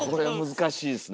難しいですよね。